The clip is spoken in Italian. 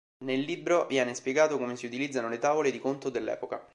Nel libro viene spiegato come si utilizzano le tavole di conto dell'epoca.